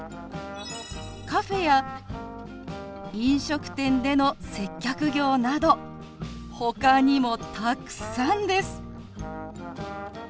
「カフェや飲食店での接客業」などほかにもたくさんです。